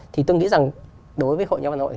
thì tôi nghĩ rằng đối với hội nhà văn hội